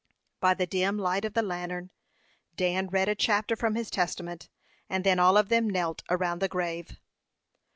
By the dim light of the lantern, Dan read a chapter from his Testament, and then all of them knelt around the grave.